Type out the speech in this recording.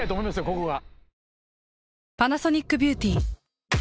ここが。